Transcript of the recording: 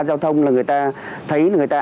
giao thông là người ta thấy người ta